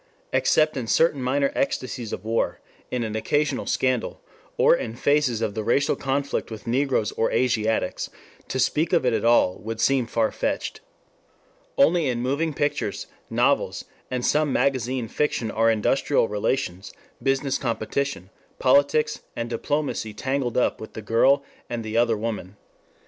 Except in certain minor ecstasies of war, in an occasional scandal, or in phases of the racial conflict with Negroes or Asiatics, to speak of it at all would seem far fetched. Only in moving pictures, novels, and some magazine fiction are industrial relations, business competition, politics, and diplomacy tangled up with the girl and the other woman.